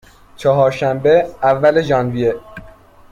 چهارشنبه، اول ژانویه